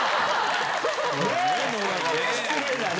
失礼だね！